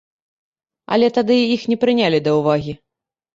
Але тады іх не прынялі да ўвагі.